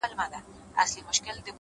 اراده کمزوري ذهنونه ماتوي.!